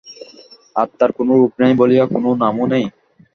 আত্মার কোন রূপ নাই বলিয়া কোন নামও নাই।